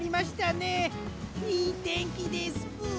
いいてんきですぷ。